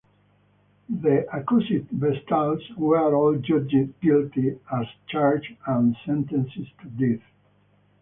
The accused vestals were all judged guilty as charged and sentenced to death.